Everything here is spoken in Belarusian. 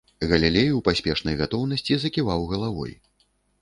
Галілей у паспешнай гатоўнасці заківаў галавой.